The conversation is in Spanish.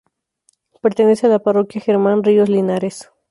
Pertenece a la parroquia Germán Ríos Linares.